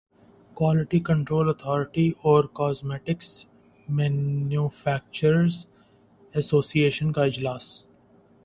quality control authority اور cosmetics manufacturers association کا اجلاس